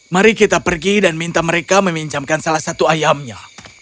mari kita pergi dan minta mereka meminjamkan salah satu ayamnya